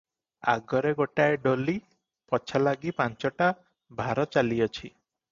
ଆଗରେ ଗୋଟାଏ ଡୋଲି, ପଛଲାଗି ପାଞ୍ଚଟା ଭାର ଚାଲିଅଛି ।